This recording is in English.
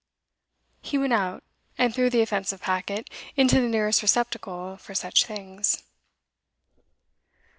He went out, and threw the offensive packet into the nearest receptacle for such things.